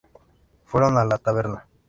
Fueron a la taberna.